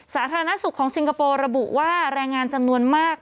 สาธารณสุขของซิงคโปร์ระบุว่าแรงงานจำนวนมาก